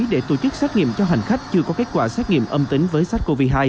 để tổ chức xét nghiệm cho hành khách chưa có kết quả xét nghiệm âm tính với sars cov hai